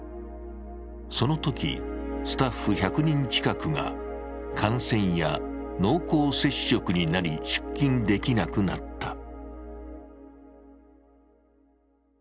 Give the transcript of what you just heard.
そのときスタッフ１００人近くが感染や濃厚接触になり出勤できなくなった。